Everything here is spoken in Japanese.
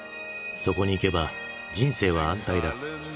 「そこに行けば人生は安泰だ」。